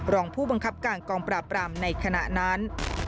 รองผู้บังคับการกองปราบรามในขณะนั้น